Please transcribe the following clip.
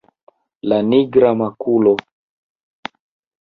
La nigra makulo!